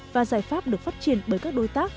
và giải pháp được phát triển bởi các đối tác